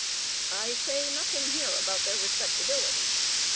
I say nothing here about their respectability.